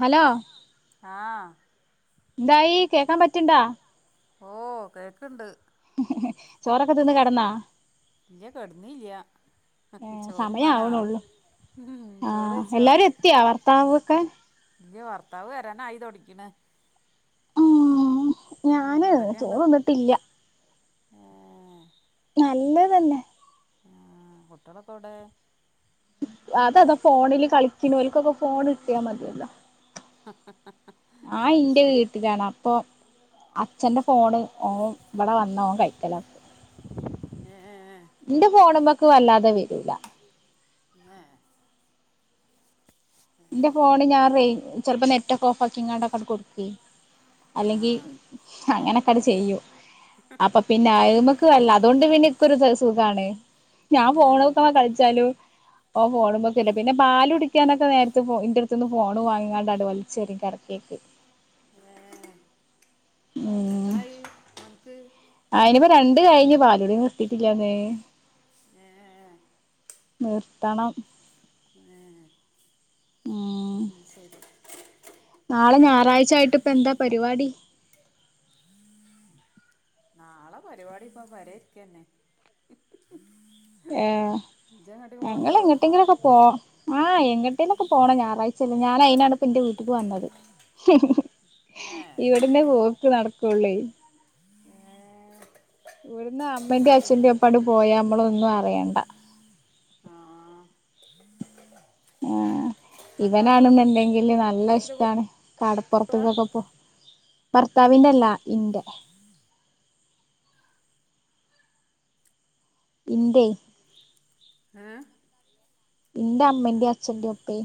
Hello ആ എന്തായി കേക്കാൻ പറ്റണ്ടാ ഓ കേക്കണ്ട് ചോറൊക്കെ തിന്ന് കിടന്നാ ഇല്ല കെടന്നില്ല ഏ സമയം ചോറുതിന്നാനാ ആവണൊള്ളു ആ എല്ലാരും എത്തിയാ ഭർത്താവ് ഒക്കെ ഇല്ല ഭർത്താവ് വരാൻ ആയി തൊടിക്കണ് ഉം ഞാന് ചോറൊന്നിട്ടില്ല ആ നല്ലതല്ലേ ആ കുട്ടികളൊക്കെ എവിടെ അത അതാ ഫോണില് കളിക്കുന്നു ഓർക്കൊക്കെ ഫോൺ കിട്ടിയാൽ മതിയല്ലോ ആ അത് എന്റ ശരി വീട്ടിലാണ് അപ്പൊ അച്ഛന്റെ ഫോണ് ഓ ഇവിടെ വന്ന ഓൻ കയ്ക്കലാക്കും ഏഹ് വല്ലാതെ വരൂല [inaudible] എന്റെ ഏഹ് ഫോണ് ഞാൻ റെ- ചെലപ്പോ നെറ്റ് ഒക്കെ ഓഫ് ആക്കിങ്ങാട്ടൊക്കട് കൊടുക്കും അല്ലെങ്കിൽ ആഹ് അങ്ങനൊക്കട് ചെയ്യും അപ്പൊ പിന്നെയ്മക്ക് വല്ല അതൊണ്ട് പിന്നെ ഇക്കൊരു സുഖാണ് ഞാൻ ഉം ഫോണക്കമ്മ കളിച്ചാലു ഓൻ ഫോണ്മ്മക്കര്ല്ല പിന്നെ പാലല് കുടിക്കാനൊക്കെ നേര ഇന്റെട്ത്ത്ന്ന് ഫോണ് വാങ്ങിക്കാണ്ടട് വലിച്ചെറിയും കട്ക്കീക്ക് ഏ എത്രായി നമുക്ക് അയിനിപ്പ രണ്ട്‌ കഴിഞ്ഞ് പാലുടി നിർത്തീട്ടില്ലാന്നേ ഏഹ് നിർ ത്തണം ഏ ഉം നാളെ ഞായറാഴ്ച ആയിട്ടിപ്പ എന്താ പരിപാടി? നാളെ പരിപാടി ഇപ്പ പോരെരിക്കന്നെ ഏ ഞങ്ങള് പോവ്ണ്ടോ എങ്ങട്ടെങ്കിലൊക്കെ പോ ആ എങ്ങട്ടേലൊക്കെ പോണം ഞായറാഴ്ചല്ലേ ഞാൻ അയിനാണ് എന്റെ വീട്ട്ക്ക് വന്നത് ന്നെ ഇവിട്ന്നേ പോക്ക് നടക്കൊള്ളെയ് ഏ ഇവിട്ന്ന് അമ്മേന്റേം അച്ഛന്റേം ഒപ്പാട് പോയാ നമ്മളൊന്നും അറിയണ്ട ആ ആഹ് ഭർത്താവിന്റെ ഇവനാണ്ന്ന്ണ്ടെങ്കില് നല്ല കൂട്ടത്തില് ഇഷ്ടാണ് പോവാ കടപ്പുർത്ത്ക്കൊക്കെ പോ ഭർത്താവിന്റെല്ലാ ഇന്റെ ഇന്റെയ് ഏ ന്റെ അമ്മന്റേം അച്ഛന്റെം ഒപ്പേ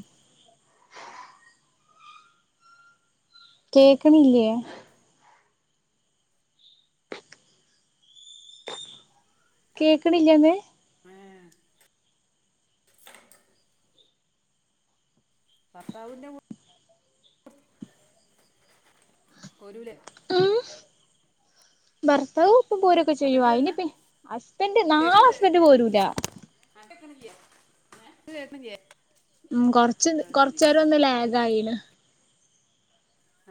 കേക്ക്‌ണില്ലേ? കേക്ക്‌ണില്ലേന്ന് ഏ, ഭർത്താവിന്റെ പോരൂലേ ഉം ഭർത്താവ ഇപ്പ പോരൊക്കെ ചെയ്യും അപ്പന്റെ വരില്ല അയ്നിപ്പി ഹസ്ബന്റ് നാളെ കേക്കുണ്ട് ഹസ്ബന്റ് പോരൂല കേക്ക്‌ണില്ലേ? ഉം കൊർച്ച് കൊറച്ചേരം ഒന്ന് ലാഗായിണ്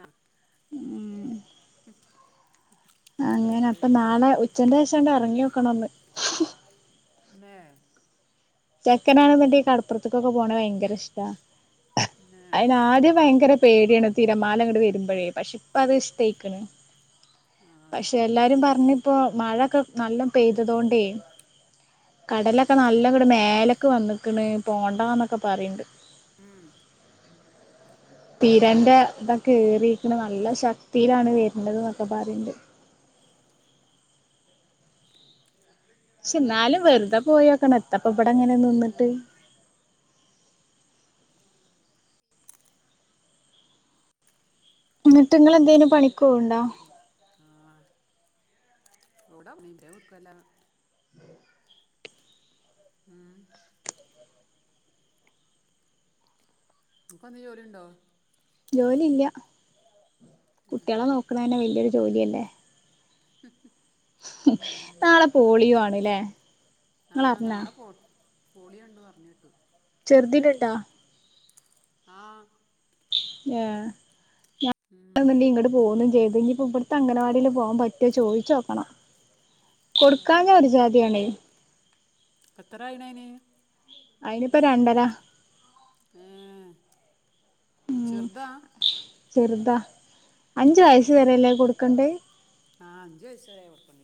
ആഹ് ഉം [inaudible] അത് അങ്ങനെ ശരി അപ്പൊ നാളെ ഉച്ചന്റെഷണ്ട് അറങ്ങിയോക്കണൊന്ന് ഏ ചെക്കനാണ്ന്ന്ണ്ടേ കടപ്പുറത്തക്കൊക്കെ പോണ ഭയങ്കര ഇഷ്ട പിന്നെ അയിന് ആദ്യം ഭയങ്കര പേടിയാണ് തിരമാലങ്ങട്ട് വരുമ്പോഴേ പക്ഷെ ഇപ്പ അത് ഇഷ്ടയ്ക്കുണു ആ പക്ഷെ കുട്ടിയൊക്കെ എല്ലാരും അങ്ങനെ പറഞ്ഞ്പ്പോ മഴൊക്കെ നല്ല പെയ്തതോണ്ടേ കടലൊക്കെ നല്ലങ്ങട് മേലക്ക്‌ വന്നക്ക്ണ് പോണ്ടാന്നൊക്കെ പറയണ്ട് ഉം തിരന്റെ ഇതൊക്കെ ഏറീക്ക്‌ണ് നല്ല ശക്തിയിലാണ് വര്ന്നത് ന്നൊക്കെ പറയ്ണ്ട് ക്ഷെ ന്നാലും വെറുതെ പോയോക്കണം എത്താപ്പം ബടെങ്ങനെ ഏ, നിന്നിട്ട് ആ ന്നിട്ട്ങ്ങളെന്തേലും പണിക്കോവ്ണ്ടോ? ശരി. ആ [inaudible] [inaudible] അൻക്കെന്തേ ജോലിണ്ടോ? ജോലി ഇല്ല കുട്ടികളെ നോക്ക്‌ണെന്നെ വെല്യൊരു ജോലിയല്ലേ ഉം നാളെ പോളിയോ ആണ്ലേ ഇങ്ങളറിഞ്ഞോ പോളിയ ഇണ്ട് പറഞ്ഞ് കേട്ടു. ചെറുതിനിണ്ടാ? ആഹ് എഹ് ഞാൻ ഉം പിന്നെ ഇങ്ങട് പോന്നും ചെയ്ത് ഇനി പ്പ ഇവിടത്തെ അംഗൻവാടിൽ പോവാൻ പറ്റോ ചോദിച്ച് നോക്കണം. കൊടുക്കാഞ്ഞ ഒരു ജാതിയാണ്. എത്രയായിണ് അയിന്? അയിനിപ്പ രണ്ടര. ഏഹ് ചെർതാ. ചെർതാ. അഞ്ച് വയസ്സ് വരെല്ലേ കൊടുക്കണ്ടേ? ആ അഞ്ച് വയസ്സ് വരെ കൊടുക്കണ്ടി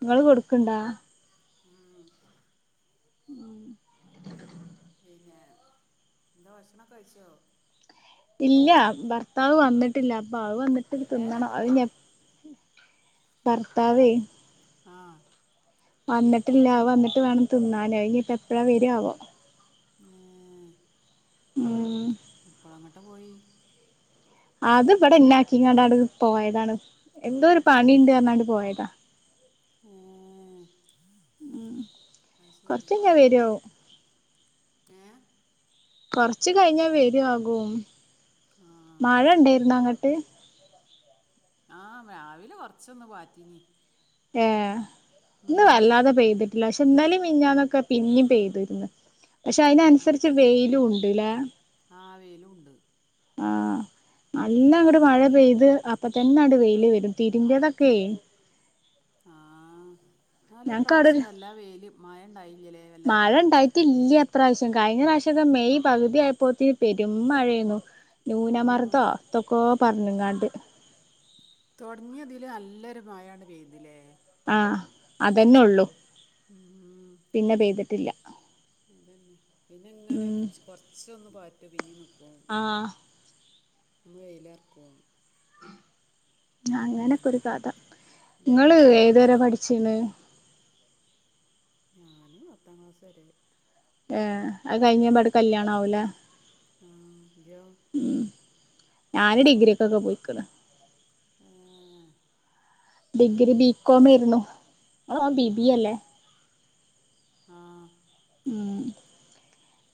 നിങ്ങള് കൊടു ക്കണ്ടാ? ആഹ് മ് പിന്നെ എന്താ ഭക്ഷണം ഒക്കെ കഴിച്ചോ? ഇല്ല, ഭർത്താവ് വന്നിട്ടില്ല, അപ്പ അത് വന്നിട്ട് ഏ തിന്നണം, അത് ഇനിയെപ് ഭർത്താവേ ആ വന്നിട്ടില്ല, വന്നിട്ട് വേണം തിന്നാനെ ഇനിപ്പ എപ്പഴാ വരാ ആവോ? മ് ഉം എപ്പള അങ്ങട്ട് പോയി. അത് ഇവിടെ എന്നെ ആക്കി ഇങ്ങാണ്ടാട് പോയതാണ്, എന്തോ ഒരു പണിണ്ട് പറഞ്ഞാണ്ട് പോയതാ. ഏഹ് മ് കൊറച്ചഞ്ഞ വരു. ഏ കൊറച്ച് കഴിഞ്ഞാൽ വരു ആകും ആ മഴ ഇണ്ടായിര്ന്ന അങ്ങ ട്ട് ആഹ് രാവിലെ കൊറച്ചൊന്ന് പാറ്റീനി ഏ ഇന്ന് ഉം. വല്ലാതെ പെയ്തിട്ടില്ല ശെ ഇന്നലിം മിനിഞ്ഞാന്നൊക്കെ പിന്നിം പെയ്ത്ക്ക്ണ് പക്ഷെ അയിനനുസരിച്ച് വെയിലും ഉണ്ട്ല്ലേ ആവേലും ഉണ്ട് ആഹ് നല്ലങ്ങോട്ട് മഴ പെയ്ത് അപ്പ തന്നെട് വെയില് വരും തിരിമ്പിതൊക്കെ ആഹ് എന്നല് അവിടെ പ്രാവശ്യം ഒരു വല്ല വെയില് മായ ഉണ്ടായില്ലലേ വല്ലാതെ മഴ ഉണ്ടായിട്ടില്ല ഇപ്രാവശ്യം കഴിഞ്ഞ പ്രാവശ്യക്കെ മെയ് പകുതിയപ്പോന് പെരും മഴയ്നു ആ ന്യൂനമർതോ എതൊക്കോ പറഞ്ഞ്ങ്ങാണ്ട് തുടങ്ങിതില് നല്ലൊരു മഴാണ് പെയ്തില്ലേ ആഹ് അതെന്നെള്ളൂ ഉം, പിന്നെ പെയ്തിട്ടില്ല അതന്നെ പിന്നെ ഇങ്ങനെ ഉം കൊറച്ചൊന്ന് പാറ്റോ പിന്നീ നിക്കും ആ വെയിലർക്കും ആഹ് അങ്ങനൊക്കെ ഒരു കഥ നിങ്ങള് ഉം, ഏതുവരെ പഠിച്ചിന്ന് ഞാന് പത്താം ക്ലാസ് വരെ ഏ അത് കഴിഞ്ഞമ്പട കല്യാണ ആവൂല [inaudible] ഞാന് ഡിഗ്രിയ ഒക്കൊക്കെ പോയികണ് [inaudible] ഡിഗ്രി ബികോം ആരുന്നു ആ ബിബി അല്ലേ ആ ഉം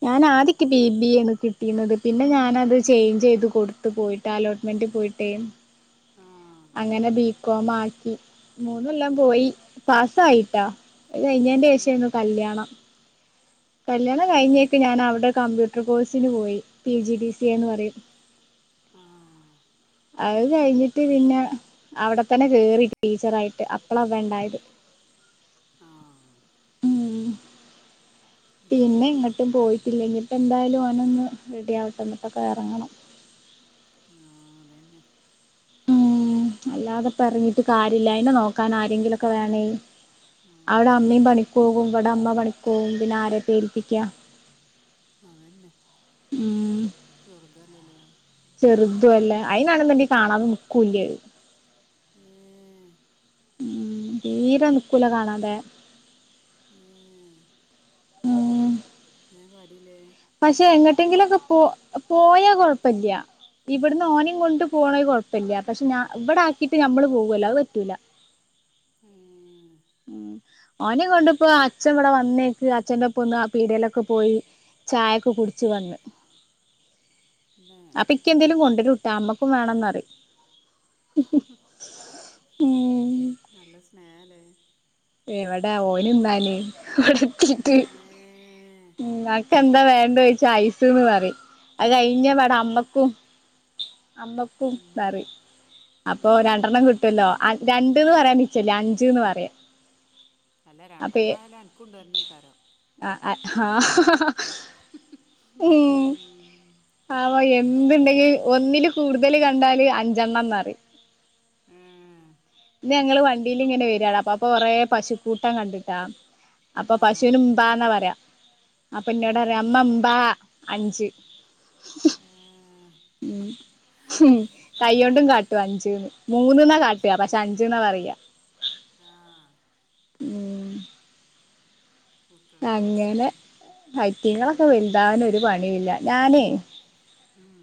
ഞാൻ ആദ്യക്ക ബിബിണ് കിട്ടിയുന്നത് പിന്നെ ഞാനത് ചേഞ്ച് ചെയ്ത് കൊടുത്ത പോയിട്ടാലോട്ട ്മെന്റ് പോയിട്ടേ ആ അങ്ങനെ ബികോം ആക്കി മൂന്ന് കൊല്ലം ആ, പോയി പാസായിട്ടാ ഇത് കയിഞ്ഞന്റെ പിന്നെ ശേഷയാരുന്നു കല്യാണം ഏ, കല്യാണം കഴിഞ്ഞേക്കെ ഞാൻ അവിടെ കമ്പ്യൂട്ടർ കോഴ്സിന് പോയി പി ജി ഡി സിന്ന് പറയും ആഹ് അത് കഴിഞ്ഞിട്ട് പിന്നെ അവിടെത്തന്നെ കേറി ടീച്ചറായിട്ട് അപ്പള ഇവൻണ്ടായത് ആ ഉം അത് പിന്നെ ശരി ഇങ്ങട്ടും പോയി ഇല്ലെങ്കി ഇപ്പ എന്തായാലും അവന് ഒന്ന് റെഡി ആവട്ടെന്നട്ടൊക്കെ ന്ന് ഇറങ്ങണം ആഹ അതന്നെ ഉം അല്ലാതെെ ഇപ്പോ ഇറങ്ങിട്ട് കാര്യല്ല അയിനെ നോക്കാൻ ആരെങ്കിലുമൊക്കെ വേണേയ് ആ അവിടെ അമ്മയും പണിക്ക് പോവും ഇവിടെ അമ്മ പണിക്ക് പോകും പിന്നെ ആരെ ഏൽപ്പിക്കാ ആഹ ന്നെ ഉം [unintelligible] ചെറുതുംല്ല അയ്നാണന്നുണ്ടെങ്കി കാണാതെ നിക്കൂല്ല ഏഹ് ഉം തീരെ നിക്കൂല കാണാതെ ഏഹ് ഉം കാര്യല്ലേ പക്ഷെ എങ്ങോട്ടെങ്കിലും ഒക്കെ പോ പോയാ കൊഴപ്പില്ല ഇവിടുന്ന് ഓനെയും കൊണ്ട് പോയാ കൊഴപ്പമില്ല പക്ഷെ ഞാ ഇവിടെ ആക്കീട്ട് നമ്മള് പോ കൊല്ലോ അത് പറ്റൂല [inaudible] ഏഹ് ഉം ഓനെ കൊണ്ടിപ്പോ അച്ഛൻ ഇവിടെ വന്നേക്ക് അച്ഛന്റെ ഒപ്പം ഒന്ന് ആ പീടകയിലൊക്കെ നന് പോയി ചായൊക്കെ കുടിച്ച് വന്ന് പിന്നെ അപ്പൊ ക്ക് എന്തേലും കൊണ്ടരും റ്റാ അമ്മക്കും വേണം എന്നു പറയും ഹ് ഹ് ഹ് നല്ല നല്ല സ്‌നേഹല്ലെ എവിടെ ഓന് തിന്നാന് ഏഹ് [unintelligible] എന്താ വേണ്ട ചോയിച്ച ഐസന്ന് പറയും അത് കഴിഞ്ഞ ഇവിടെ അമ്മക്കും അമ്മക്കും പിന്നെ പറയും അപ്പൊ ഏഹ് രണ്ടെണ്ണം കിട്ടുല്ലോ രണ്ടന്ന് പറയാൻ നിച്ചല്ല അഞ്ചന്ന് പററിം അല്ല രണ്ടെണ്ണം ആയാല് അനക്ക് കൊണ്ട് തേകാരം ആഹ്ഹ ഹ ഹ ഹ് ഹ് അപ്പൊ മ്മ് എന്തുണ്ടെങ്കിൽ ഒന്നില് കൂടുതല് കണ്ടാല് അഞ്ചെണ്ണം എന്ന് പറയും ഏഹ് ഇന്ന് ഞങ്ങള് വണ്ടിൽ ഇങ്ങനെ വരിയാണ് അപ്പൊപ്പൊ കൊറെ പശുക്കൂട്ടം കണ്ടിട്ടാ അപ്പൊ ആഹ് പശുവിന് ഉമ്പാന്നാ പറയാ അപ്പൊ പിന്നെ എന്നന്നോട് അമ്മാ ഇമ്പാ അഞ്ച് ഏഹ് മ് ഹും കൈ്യ ഉം കൊണ്ടും കാട്ടും അഞ്ചുന്ന് മൂന്ന്ന്നാ കാട്ടുവാ പക്ഷെ അഞ്ചുന്നാ പറയാ ആഹ മ്മ് കുട്ടികളുടെ അങ്ങനെ രസാണ് പറ്റങ്ങളൊക്കെ വലുതാവാൻ ഒരു പണിയില്ല ഞാനേ ഉം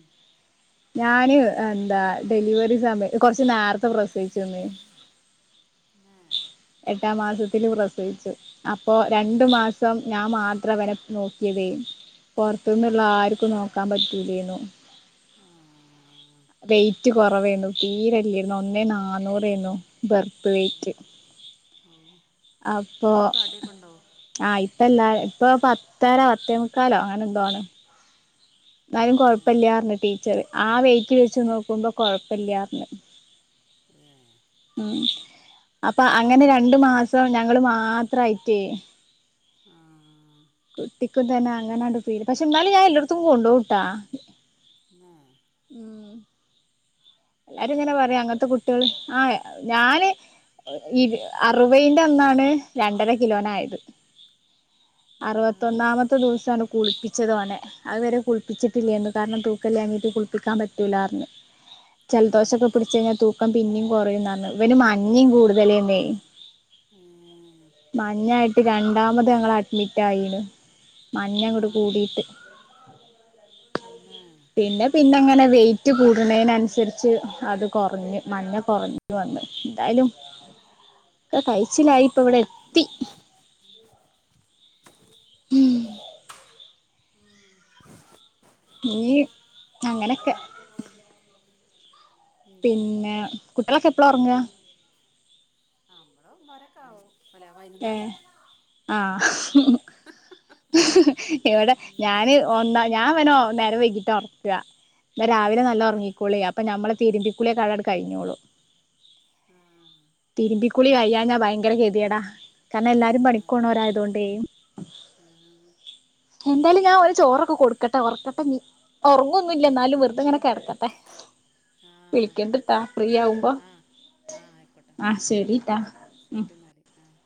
ഞാന് എന്താ ഡെലിവറി സമയം കൊറച്ച് നേരത്തെ പ്രസവിച്ചന്ന് ഉം എട്ടാം മാസത്തില് പ്രസവിച്ചു അപ്പൊ രണ്ടു മാസം ഞാൻ മാത്രം അവനെ നോക്കിയതേ പുറത്തുനിന്നള്ള ആർക്കും ഏഹ് നോക്കാൻ പറ്റുല്ലാരുന്നു ആഹ് വെയ്റ്റ് കുറവായിരുന്നു തീരെല്ലാരുന്നു ഒന്നേ നാന്നൂറായിരുന്നു ബെർത്ത് ഔ വെയ്റ്റ് ഔ അപ്പൊ ഇപ്പങ്ങട്ട് തടിയൊക്കെ ഉണ്ടോ ആഹ ഇപ്പല്ലാ ഇപ്പൊ പത്തര പത്തേമുക്കാലോ അങ്ങനെ എന്തോ ആണ് എന്നാലും ഏഹ് കൊഴപ്പില്ലന്ന് ടീച്ചർ ആ വെയിറ്റ് വെച്ച് നോക്കുമ്പോ കൊഴപ്പില്ലർന്ന് ഏ [unintelligible] അപ്പൊ അങ്ങനെ രണ്ടു മാസം ഞങ്ങള് മാത്രയിട്ടേ ആഹ് കുട്ടിക്കും തന്നെ അങ്ങനാണ്ട് പില് പക്ഷെ എന്നാലും ഞാൻ എല്ലായിടത്തും കൊണ്ടോട്ടാ ഉം എല്ലാരും ഇങ്ങനെ പറയാ പൊറത്ത് കൊ അങ്ങനത്തെ കുട്ടികള് ആ ഞാന് ഇ അറുപന്റെ ഒന്നാണ് രണ്ടര കിലോനയത് ഏഹ് അറുവത്തൊന്നാമത്ത ദിവസമാണ് കുളിപ്പിച്ചത്തോനെ അതുവരെ കുളിപ്പിച്ചിട്ടില്ലേന്ന് കാരണം തൂക്കല്ലാഞ്ഞിട്ട് കുളിപ്പിക്കാൻ പറ്റൂല്ല ആർന്നു ഉ [inaudible] ജലദോഷമൊക്കെ പിടിച്ച് കഴിഞ്ഞാൽ തൂക്കം പിന്നയും കുറയുന്നാണ് ഇവന് മഞ്ഞയും കൂടുതലന്നേ ഏഹ് മഞ്ഞായിട്ട് രണ്ടാമത് ഞങ്ങള് അഡ്മിറ്റ് ആയിണ് മഞ്ഞ കൂടെ ആഹ് കൂടിട്ട് തന്നെ പിന്നെ പിന്നെ അങ്ങനെ വെയിറ്റ് കൂടുന്നതിനനുസരിച്ച് അത് കുറഞ്ഞു മഞ്ഞ കുറഞ്ഞു വന്നു എന്തായാലും ഉം ഒക്കെ കഴിച്ചിലായി ഇപ്പ ഇവിടെ എത്തി ഉം ഉം ഈ അങ്ങനെയൊക്കെ പിന്നെ കുട്ടികളൊക്കെ എപ്പളാ ഉറങ്ങുക നമ്മള വരക്കാവോ [unintelligible] ഏ ആ ഇവിടെ ഉം ഞാന് ഒന്ന ഞാൻ ഇവനോ നേരം വൈകിട്ടാ ഉറക്കുക എന്ന രാവിലെ നല്ല ന്നെ ഉറങ്ങിക്കോളീ അപ്പൊ നമ്മള തിരുമ്പിക്കുളി കടാട കയിഞ്ഞോളൂ ആഹ് തിരുമ്പി [unintelligible] കുളി കഴിയാഞ്ഞാ ഭയങ്കര ഗതികേടാ കാരണം എല്ലാരും അതന്നെ പണിക്കോണവരായതു കൊണ്ടേ ആഹ് എന്തായാലും ഞാൻ ഒരു ചോറൊക്കെ കൊടുക്കട്ടെ ഉറക്കട്ടെ ഉറങ്ങൊന്നുമില്ല എന്നാലും വെറുതെ ഇങ്ങനെ കിടക്കട്ടെ ആഹ് വിളിക്കേണ്ടിട്ടാ ഫ്രീ ആവുമ്പോ ആ ആയിക്കോട്ടെ ആഹ് ശരിട്ടാ ഉം ശരി എന്നാല് ആഹ്